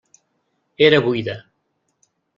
Era buida.